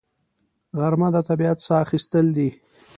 غرمه د طبیعت ساه اخیستل دي